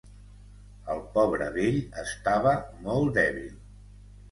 El pobre vell estava molt dèbil.